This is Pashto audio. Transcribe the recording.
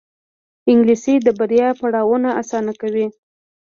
انګلیسي د بریا پړاوونه اسانه کوي